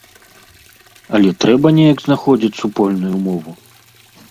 Але трэба неяк знаходзіць супольную мову.